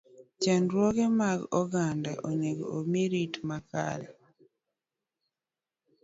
Chandruoge mag oganda onego omi rit makare.